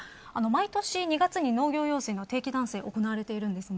毎年２月に農業用水の定期断水が行われています。